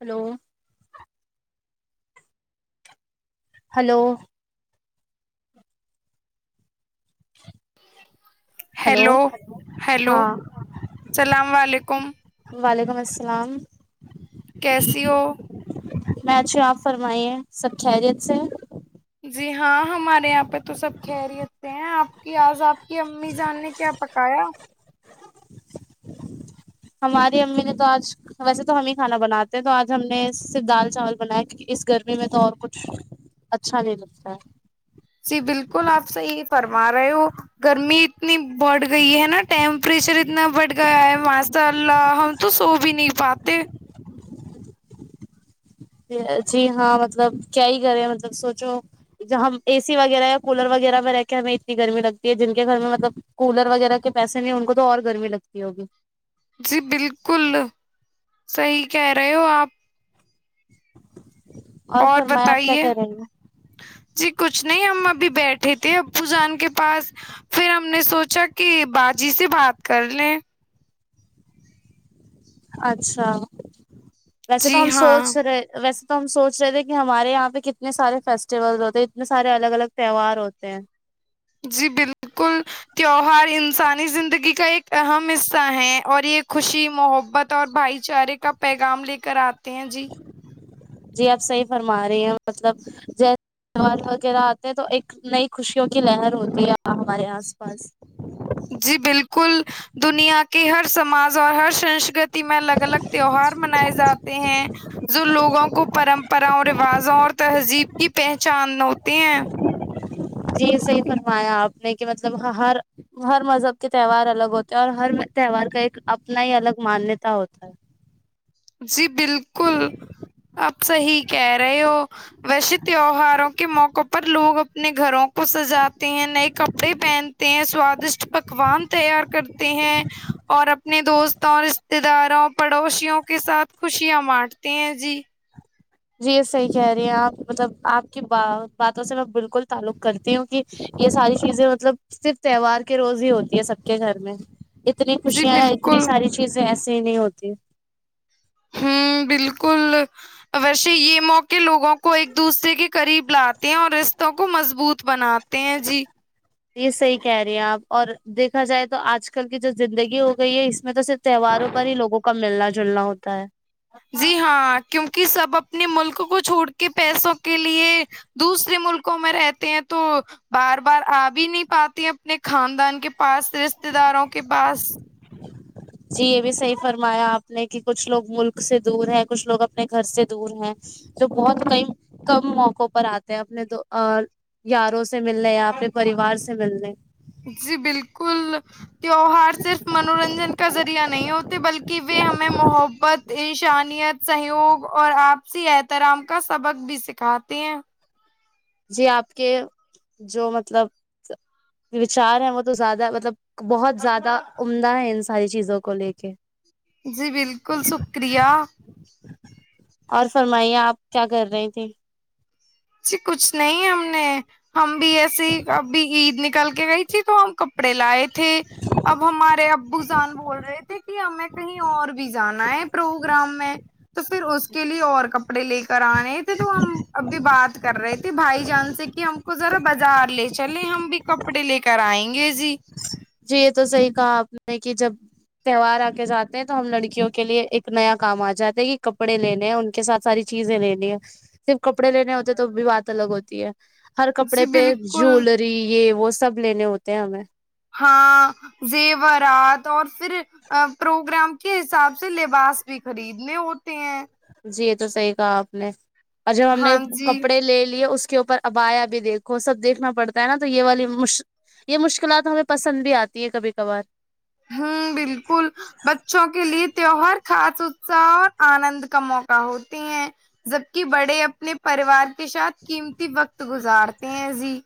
hello hello hello hello hello ہاں السلام علیکم وعلیکم السلام کیسی ہو میں اچھی ہوں آپ فرمائیے سب خیریت سے جی ہاں ہمارے یہاں پہ تو سب خیریت سے ہیں آپ کی آج آپ کی امی جان نے کیا پکایا ہماری امی نے تو آج ویسے تو ہم ہی کھانا بناتے ہیں تو آج ہم نے صرف دال چاول بنایا کیونکہ اس گرمی میں تو اور کچھ اچھا نہیں لگتا ہے جی بالکل آپ صحیح فرما رہے ہو گرمی اتنی بڑھ گئی ہے نا ٹیمپ پریشر اتنا بٹ گیا ہے ماشاء اللہ ہم تو سو بھی نہیں پاتے جی ہاں مطلب کیا ہی کریں مطلب سوچو ہم اے سی وغیرہ یا کولر وغیرہ میں رہ کے ہمیں اتنی گرمی لگتی ہے جن کے گھر میں مطلب کولر وغیرہ کے پیسے نہیں ان کو تو اور گرمی لگتی ہوگی جی بالکل صحیح کہہ رہے ہو آپ اور فرمایا آپ کیا بتائیے کر رہے ہیں جی کچھ نہیں ہم ابھی بیٹھے تھے ابو جان کے پاس پھر ہم نے سوچا کہ بات جی سے بات کر لیں اچھا ویسے تو جی ہم ہاں سوچ رہے ویسے تو ہم سوچ رہے تھے کہ ہمارے یہاں پہ کتنے سارے فیسٹیول ہوتے ہیں اتنے سارے الگ الگ تہوار ہوتے ہیں جی بالکل تیوہار انسانی زندگی کا ایک اہم حصہ ہے اور یہ خوشی محبت اور بھائی چارے کا پیغام لے کر آتا تین جی جی آپ صحیح فرما رہی ہیں مطلب جیسے وغیرہ آتے ہیں تو ایک نئی خوشیوں کی لہر ہوتی ہے ہمارے آس پاس جی بالکل دنیا کہ ہر سماج اور ہر سنسکرتی میں الگ الگ تیوہار منائے جاتے ہیں جو لوگوں کو پرمپراں رواجوں اور تہذیب کی پہچان تین جی صحیح فرمایا آپ نے کہ مطلب ہر ہر مذہب کے تہوار الگ ہوتے ہیں اور ہر تہوار کا ایک اپنا ہی الگ مانیہتا ہوتا ہے جی بالکل آپ صحیح کہہ رہے ہو ویسے تیوہاروں کے موقع پر لوگ اپنے گھروں کو سجاتے ہیں نئے کپڑے پہنتے ہیں ساد پکوان تیار کرتے ہیں اور اپنے دوستوں رشتے داروں پڑوسیوں کے ساتھ خوشیاں بانٹتے ہیں جی جی یہ صحیح کہہ رہی ہیں آپ مطلب آپ کی باتوں سے میں بالکل تعلق کرتی ہوں کہ یہ ساری چیزیں مطلب صرف تہوار کے روز ہی ہوتی ہے سب کے گھر میں اتنی جی خوشیاں اتنی بالکل ساری چیزیں ایسی نہیں ہوتی ہوں بالکل ویسے یہ موقع لوگوں کو ایک دوسرے کے قریب لاتے ہیں اور رشتوں کو مضبوط بناتے ہیں جی یہ صحیح کہہ رہی ہیں آپ اور دیکھا جائے تو آج کل کی جو زندگی ہو گئی ہے اس میں تو صرف تہواروں پر ہی لوگ کا ملنا جلنا ہوتا ہے جی ہاں کیوںکہ سب اپنے ملک کو چھوڑ کے پیسوں کے لیے دوسرے ملکوں میں رہتے ہیں تو بار بار آ بھی نہیں پاتے ہیں اپنے خاندان کے پاس رشتے داروں کے پاس جی یہ بھی صحیح فرمایا آپ نے کہ کچھ لوگ ملک سے دور ہے کچھ لوگ اپنے گھر سے دور ہیں جو بہت کئی کم موقعوں پر آتے ہیں اپنے دو یاروں سے ملنے یا اپنے پریوار سے ملنے جی بالکل تیوہار صرف منورنجن کا ذریعہ نہیں ہوتے بلکہ و ہمیں محبت انشانیت سہیوگ اور آپسی احترام کا سبق بھی سکھاتے ہیں جی آپ کے جو مطلب وچار ہے وہ تو زیادہ مطلب بہت زیادہ عمدہ ہے ان ساری چیزوں کو لے کے جی بالکل شکریہ اور فرمائیے آپ کیا کر رہے تھے جی کچھ نہیں ہم نے ہم بھی ایسیے اب عید نکل کے گئی تھی تو ہم ک کپڑے لائے تھے اب ہمارے ابو جان بول رہے تھے کہ ہمیں کہیں اور بھی جانا ہے پروگرام میں تو پھر اس کے لیے اور ک اڑے لیے کرانے تھ تو ہم ابھی بر کر رہے تھے بھائی جان سے کہ ہم کو ذرا بازار لے چلیں ہم بھی کپڑے لے کے کرائیں گے جی جی یہ تو صحیح کہا آپ نے کہ جب تہوار آ کے جاتے ہیں تو ہم لڑکیوں کے لیے ایک نیا کام آ جاتے کہ کپڑے لینے ہیں ان کے ساتھ ساری چیزیں لینی ہے صرف کپڑے لینے ہوتے ہیں تو بھی بات الگ ہوتی ہے ہر کپڑے جی پہ بالکل جوولری یہ وہ سب لینے ہوتے ہیں ہمیں ہاں زیورات اور پھر ا پروگرام کے حساب سے لباس بھی خریدنے ہوتے ہیں جی یہ تو صحیح کہا آپ نے اور جب ہم نے ہاں جی کپڑے لے لیے اس کے اوپر ابایا بھی دیکھو سب دیکھنا پڑتا ہے نا تو یہ والی یہ مشکلات ہمیں پسند بھی آتی ہے کبھی کبھار ہوں بالکل بچوں کے لیے تیوہار خاص اتساہ اور آنند کا موقع ہوتے ہیں جبک بڑے اپنے پریوار کے شاید قیمتی وقت گزارتے ہیں جی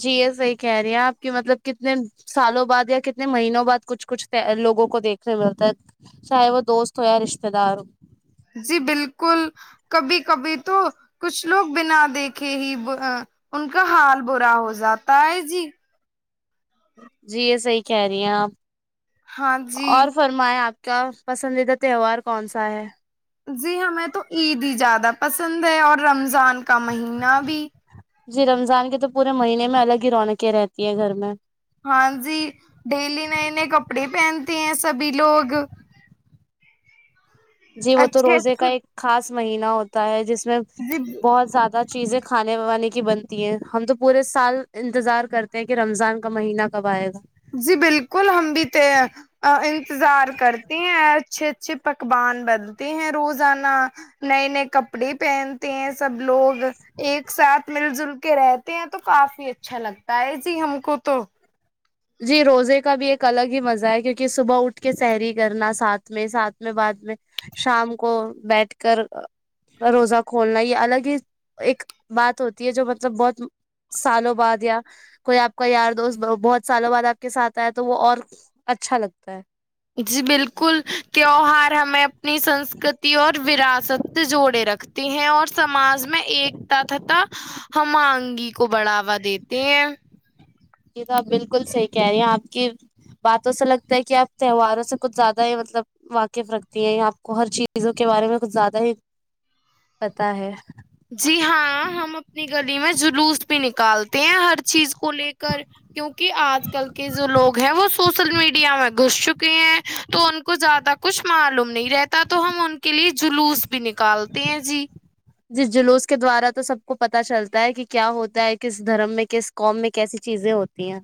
جی یہ صحیح کہہ رہی ہیں آپ کی مطلب کتنے سالوں بعد یا کتنے مہینوں بعد کچھ کچھ لوگوں کو دیکھنے ملتا ہے چاہے وہ دوست ہو یا رشتے دار ہو جی بالکل کبھی کبھی تو کچھ لوگ بنا دیکھے ہی ان کا حال برا ہو جاتا ہے جی جی یہ صحی کہہ رہی ہیں آپ ہاں جی اور فرمایا آپ کیا پسندیدہ تہوار کون سا ہے جی ہمیں تو عید ہی زیادہ پسند ہے اور رمضان کا مہینہ بھی جی رمضان کے تو پورے مہینے میں الگ ہی رونقیں رہتی ہیں گھر میں ہاں جی ڈیلی نئے نئے کپڑے پہنتے ہیں سبھی لوگ جی وہ تو اچھے روزے کا ایک خاص مہینہ ہوتا ہے جس اچھے بہت زیادہ چیزیں کھانے بانے کی بنتی ہیں ہم تو پورے سال انتظار کرتے ہیں کہ رمضان کا مہینہ کب آئے گا جی بالکل ہم بھی تو انتظار کرتے ہیں اچھے اچھے پکوان بنتے ہیں روزانہ نئے نئے کپڑے پہنتے ہیں سب لوگ ایک ساتھ مل جل کے رہتے ہیں تو کافی اچھا لگتا ہے جی ہم کو تو جی روزے کا بھی ایک الگ ہی مزہ ہے کیونکہ صبح اٹھ کے سحری کرنا ساتھ میں ساتھ میں بعد میں شام کو بیٹھ کر روزہ کھولنا ہی الگ ہی ایک بات ہوتی ہے جو مطلب بہت سالوں بعد یا کوئی آپ کا یار دوست بہت سالوں بعد آپ کے ساتھ آیا تو وہ اور اچھا لگتا ہے جی بالکل تیوار ہمیں اپنی سنسکرتی اور وراثت جوڑے رکھتی ہیں اور سماج میں میں ایکتا تھ تھا ہم آنگی کو بڑھاوا دیتے ہیں یہ تو آپ بالکل صحیح کہہ رہی ہیں آپ کی باتوں سے لگتا ہے کہ آپ تہواروں سے کچھ زیادہ ہی مطلب واقف رکھتی ہیں آپ کو ہر چیزوں کے بارے میں کچھ زیادہ ہی پتا ہے جی ہاں ہم اپنی گلی میں جلوس بھی نکالتے تین ہر چیز کو لے کر کیونکہ آج کل کے جو لوگ ہیں وہ سوشل میڈیا میں گھس چک ہیں تو ان کو زیادہ کچھ معلوم نہیں رہتا تو ہم ان کے لیے جلوس بھی نکالتے ہیں جی جس جلوس کے دوارا تو سب کو پتہ چلتا ہے کہ کیا ہوتا ہے کس دھرم میں کس قوم میں کیسی چیزیں ہوتی ہیں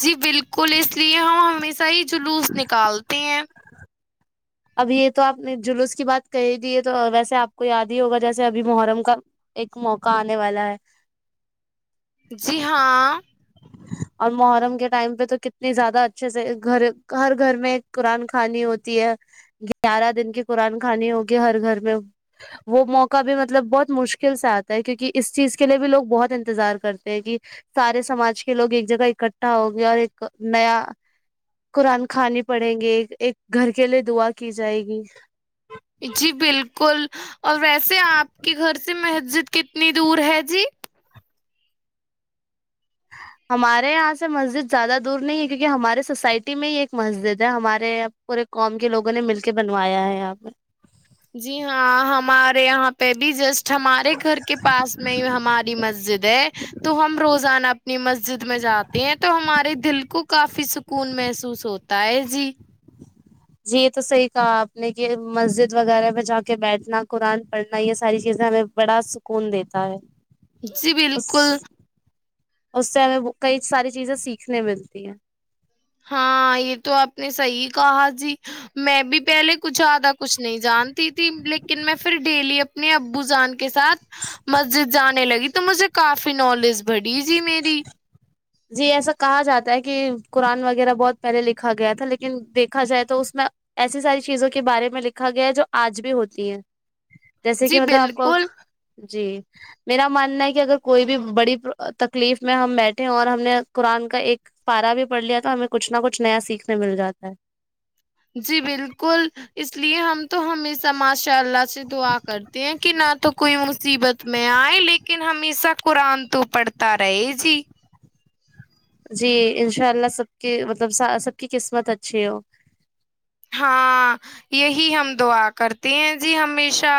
جی بالکل اس لیے ہم ہمیشہ ہی جلوس نکالتے ہیں اب یہ تو آپ نے جلوس کی بات کہ ہی دی ہے تو ویسے آپ کو یاد ہی ہوگا جیسے ابھی محرم کا ایک موقع آنے والا ہے جی ہاں اور محرم کے ٹائم پہ تو کتنی زیادہ اچھے سے گھر ہر گھر میں قرآن کانی ہوتی ہے گیارہ دن کی قرآن خانی ہوگی ہر گھر میں وہ موقع بھی مطلب بہت مشکل سے آتا ہے کیونکہ اس چیز کے لیے بھی لوگ بہت انتظار کرتے ہیں کہ سارے سماج کے لوگ ایک جگہ اکٹھا ہو گے اور ایک نیا قرآن خانی پڑھیں گے ایک گھر کے کےلے دعا کی جائے گی جی بالکل اور ویسے آپ کے گھر سے مسجد کتنی دور ہے جی ہمارے یہاں سے مسجد زیادہ دور نہیں ہے کیونکہ ہمارے سوسائٹی میں ہی ایک مسجد ہے ہمارے پورے قوم کے لوگوں نے مل کے بنوایا ہے یہاں پہ جی ہاں ہمارے یہاں پہ بھی جسٹ ہمارے گھر کے پاس میں ہماری مسجد ہے تو ہم روزانہ اپنی مسجد میں جاتے ہیں تو ہمارے دل کو کافی سکون محسوس ہوتا ہے جی جی یہ تو صحیح کہا آپ نے کہ مسجد وغیرہ پہ جا کے بیٹھنا قرآن پڑھنا یہ ساری چیزیں ہمیں بڑا سکون دیتا ہے جی اس بالکل اس سے ہمیں کئی ساری چیزیں سیکھنے ملتی ہیں ہاں یہ تو آپ نے صحیح کہا جی میں بھی پہلے کچھ زیادہ کچھ نہیں جانتی تھی لیکن میں پھر ڈیلی اپنے ابو جان کے ساتھ مسجد جانے لگی تو مجھے کافی نالج بڑی جی میری جی ایسا کہا جاتا ہے کہ قرآن وغیرہ بہت پہلے لکھا گیا تھا لیکن دیکھا جائے تو اس میں ایسی ساری چیزوں کے بارے میں لکھا گیا ہے جو آج بھی ہوتی ہے جیسے کہ جی مطلب آپ کو بالکل جی میرا ماننا ہے کہ اگر کوئی بھی بڑی تکلیف میں ہم بیٹھے اور ہم نے قرآن کا ایک پارا بھی پڑھ لیا تو ہمیں کچھ نہ کچھ نیا سیکھنے مل جا ہے جی بالکل اس اس لیے ہم تو ہمیشہ ماشاء اللہ سے دعا کرتے ہیں کہ نہ تو کوئی مصیبت میں آئے لیکن ہمیشہ قرآن تو پڑھتا رہے جی جی انشاء اللہ سب کی مطلب سب کی قسمت اچھی ہو ہاں یہی ہم دعا کرتے ہیں جی ہمیشہ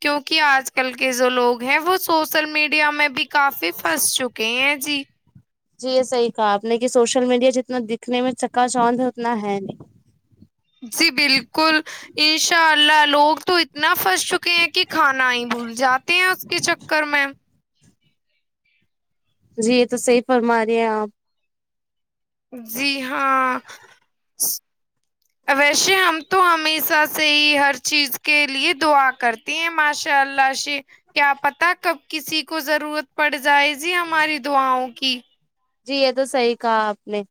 کیونکہ آج کل کے جو لوگ ہیں وہ سوشل میڈیا میں بھی کافی پھنس چکے ہیں جی جی یہ صحیح کہا آپ نے کہ سوشل میڈیا جتنا دکھنے میں چکا چانند ہے اتنا ہے نہیں جی بالکل انشاء اللہ لوگ تو اتنا پھنس چکے ہیں کہ کھانا ہی بھول جاتے ہیں اس کے چکر میں جی یہ تو صحی فرما رہے ہیں آپ جی ہاں ویسے ہم تو ہمیشہ سے ہی ہر چیز کے لیے دعا کرتے ہیں ماشاء اللہ سے کیا پتا کب کسی کو ضرورت پڑ جائزی ہماری دعاؤں کی کہ جی یہ تو صحیح کہا آپ نے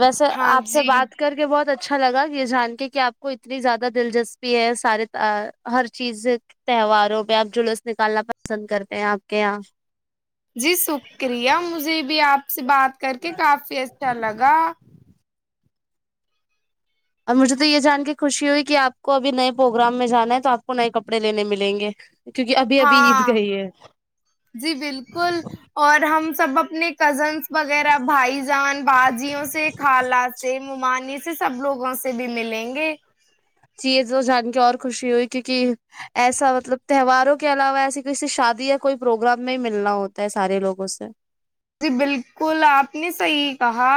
ویسے ہاں آپ سے جی بات کر کے بہت اچھا اچھا لگا یہ جان کے کہ آپ کو اتنی زیادہ دلچسپی ہے سارے ہر چیز تہواروں پہ آپ جلوس نکالنا پسند کرتے ہیں آپ کے یہاں جی شکریہ مجھے بھی آپ سے بات کر کے کافی اچھا لگا اور مجھے تو یہ جان کے خوشی ہوئی کہ آپ کو ابھی نئے پروگرام میں جانا ہے تو آپ کو نئے کپڑے لینے ملیں گے کیونکہ ابھی ابھی عید ہاں گئی ہے جی بالکل اور ہم سب اپنے کزنس وغیرہ بھائی جان بعد جیوں سے خالہ سے ممانی ے سب لوگوں سے بھی ملیں گے چیز وہ جان کے اور خوشی ہوئی کیونکہ ایسا مطلب تہواروں کے علاوہ ایسیے کسی سے شادی یا کوئی پروگرام میں ملنا ہوتا ہے سارے لوگوں سے جی بالکل آپ نے صحیح کہا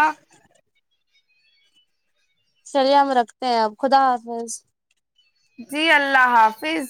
چلیے ہم رکھتے ہیں اب خدا حافظ جی اللہ حافظ